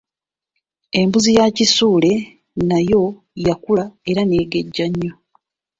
Embuzi ya Kisuule nayo yakula era neegejja nnyo.